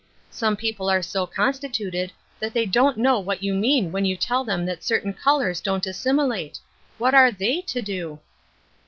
Some people are so constituted that they don't know what you mean when you tell them that certain colors don't as similate ; what are thei/ to do